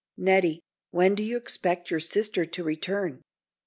"Nettie, when do you expect your sister to return?"